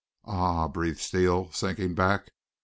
"Ah!" breathed Steele, sinking back.